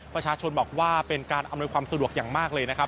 ประชาชนบอกว่าเป็นการอำนวยความสะดวกอย่างมากเลยนะครับ